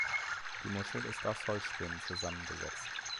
Die Muschel ist aus Holzspänen zusammengesetzt.